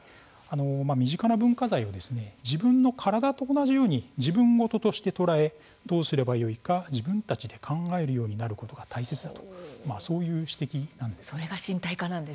身近な文化財を自分の体と同じように自分ごととして捉えどうすればよいか自分たちで考えるようになることが大切だと指摘しています。